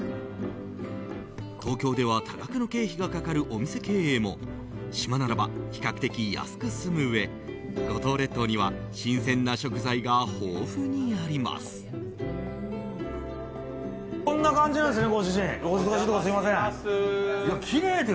東京では多額の経費がかかるお店経営も島ならば、比較的安く済むうえ五島列島には新鮮な食材が豊富にあります。